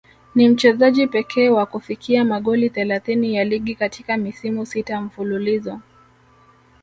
Ni mchezaji pekee wa kufikia magoli thelathini ya ligi katika misimu sita mfululizo